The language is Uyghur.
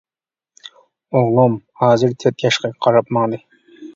ئوغلۇم ھازىر تۆت ياشقا قاراپ ماڭدى.